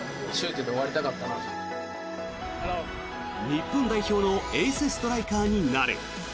日本代表のエースストライカーになる。